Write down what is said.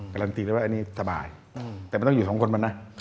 การันตีได้ว่าอันนี้สบายแต่มันต้องอยู่สองคนมันนะ